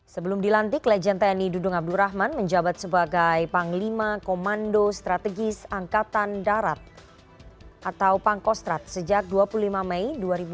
sebelum dilantik legend tni dudung abdurrahman menjabat sebagai panglima komando strategis angkatan darat atau pangkostrat sejak dua puluh lima mei dua ribu dua puluh